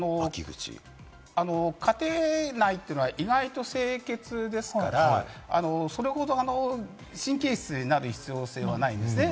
家庭内というのは意外と清潔ですから、それほど神経質になる必要性はないんですね。